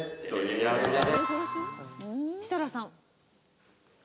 設楽さん。